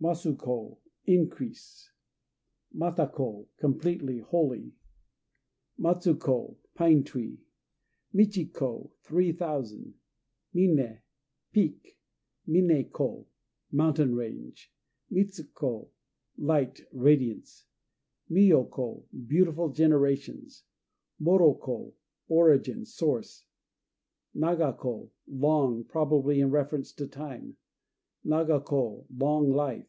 Masu ko "Increase." Mata ko "Completely," wholly. Matsu ko "Pine tree." Michi ko "Three Thousand." Miné "Peak." Miné ko "Mountain Range." Mitsu ko "Light," radiance. Miyo ko "Beautiful Generations." Moto ko "Origin," source. Naga ko "Long," probably in reference to time. Naga ko "Long Life."